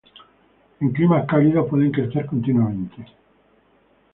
En climas cálidos pueden crecer continuamente.